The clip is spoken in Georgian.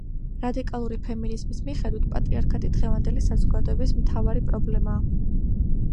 რადიკალური ფემინიზმის მიხედვით, პატრიარქატი დღევანდელი საზოგადოების მთავარი პრობლემაა.